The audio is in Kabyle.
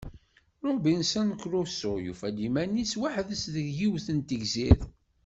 Robinson Crusoe yufa-d iman-is weḥd-s deg yiwet n tegzirt.